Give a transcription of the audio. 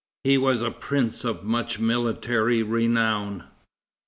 He was a prince of much military renown.